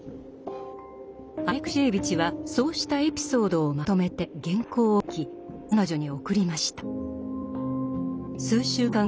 アレクシエーヴィチはそうしたエピソードをまとめて原稿を書き彼女に送りました。